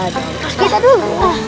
terus kita dulu